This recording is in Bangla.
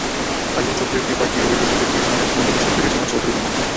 কাইয়ুম চৌধুরীর প্রিয় কয়েকটি রবীন্দ্রসংগীত গেয়ে শোনাবেন নন্দিত শিল্পী রেজওয়ানা চৌধুরী বন্যা।